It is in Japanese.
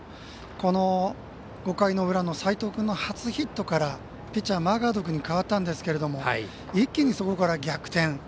この５回の裏の齋藤君の初ヒットからピッチャー、マーガード君に代わったんですけども一気にそこから逆転。